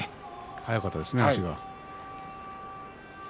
早かったですね、足が。